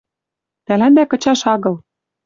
Тӓлӓндӓ кычаш агыл.